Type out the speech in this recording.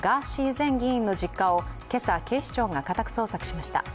前議員の実家を今朝警視庁が家宅捜索しました。